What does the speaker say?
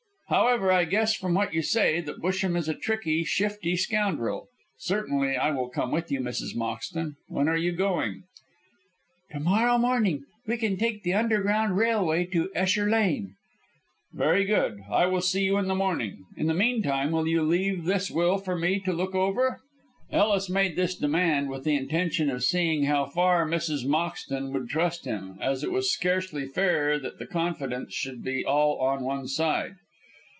"However, I guess from what you say that Busham is a tricky, shifty scoundrel. Certainly I will come with you, Mrs. Moxton. When are you going?" "To morrow morning. We can take the underground railway to Esher Lane." "Very good. I will see you in the morning. In the meantime will you leave this will for me to look over?" Ellis made this demand with the intention of seeing how far Mrs. Moxton would trust him, as it was scarcely fair that the confidence should be all on one side.